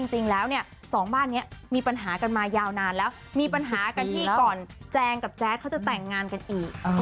จริงแล้วเนี่ยสองบ้านนี้มีปัญหากันมายาวนานแล้วมีปัญหากันที่ก่อนแจงกับแจ๊ดเขาจะแต่งงานกันอีก